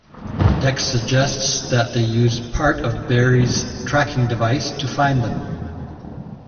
Dex suggests that they use part of Beary's tracking device to find them.